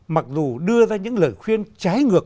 mặc dù đưa ra những lời khuyên trái ngược